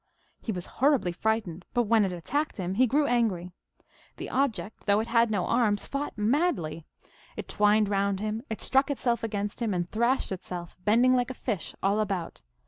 He was horribly frightened, but when it attacked him he grew angry. The object, though it had no arms, fought madly. It twined round him ; it struck itself against him, and thrashed itself, bending like a fish all about.